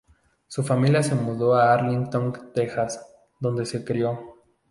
Su familia se mudó a Arlington, Texas, donde se crio.